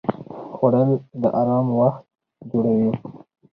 خوړل د آرام وخت جوړوي